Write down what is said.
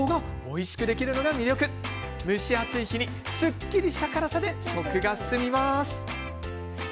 蒸し暑い日にすっきりとした辛さで食が進みます。